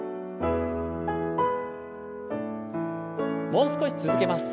もう少し続けます。